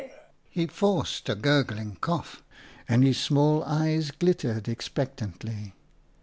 " He forced a gurgling cough, and his small eyes glittered expectantly.